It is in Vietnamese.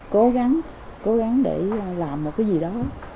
cố gắng cố gắng để làm một cái gì đó